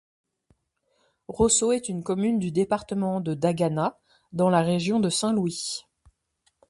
Rosso est une commune du département de Dagana dans la région de Saint-Louis.